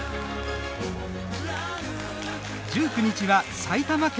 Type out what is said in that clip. １９日は埼玉県。